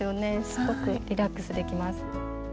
すごくリラックスできます。